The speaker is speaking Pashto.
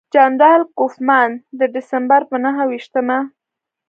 جنرال کوفمان د ډسمبر پر نهه ویشتمه.